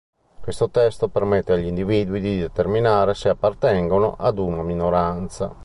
Questo testo permette agli individui di determinare se appartengono a una minoranza.